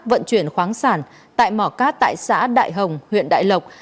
vận chuyển khoáng sản tại mỏ cát tại xã đại hồng huyện đại lộc